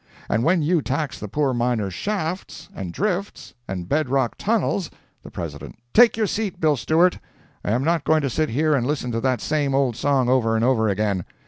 And when you tax the poor miner's shafts, and drifts, and bed rock tunnels—" The President—"Take your seat, Bill Stewart! I am not going to sit here and listen to that same old song over and over again.